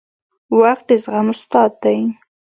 • وخت د زغم استاد دی.